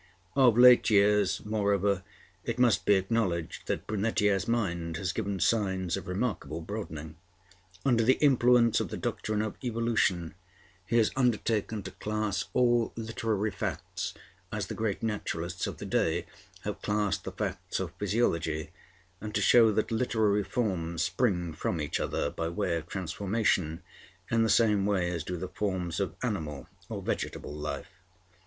Of late years, moreover, it must be acknowledged that Brunetière's mind has given signs of remarkable broadening. Under the influence of the doctrine of evolution, he has undertaken to class all literary facts as the great naturalists of the day have classed the facts of physiology, and to show that literary forms spring from each other by way of transformation in the same way as do the forms of animal or vegetable life.